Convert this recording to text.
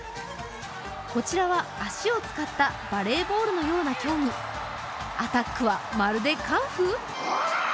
こちらは足を使ったバレーボールのような競技アタックはまるでカンフー？